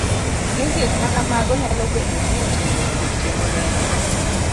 ni gik ma kamago nyalo bedo ni oting'o tuoche mwang'eyo